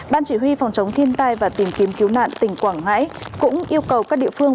ban chỉ huy phòng chống thiên tai và tìm kiếm cứu nạn tỉnh quảng ngãi cũng yêu cầu các địa phương